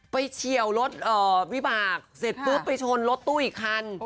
เฉียวรถวิบากเสร็จปุ๊บไปชนรถตู้อีกคัน